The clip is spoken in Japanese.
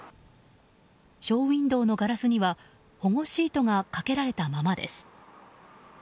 ショーウィンドーのガラスには保護シートがかけられたままです。